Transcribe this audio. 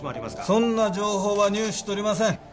そんな情報は入手しておりません。